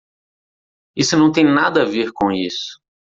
Isso não tem nada a ver com isso!